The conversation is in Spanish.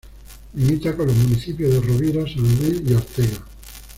Limita con los municipios de Rovira, San Luis y Ortega.